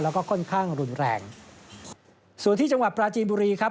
แล้วก็ค่อนข้างรุนแรงส่วนที่จังหวัดปราจีนบุรีครับ